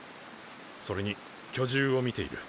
それに巨獣を見ている。